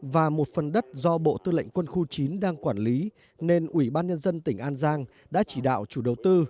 và một phần đất do bộ tư lệnh quân khu chín đang quản lý nên ủy ban nhân dân tỉnh an giang đã chỉ đạo chủ đầu tư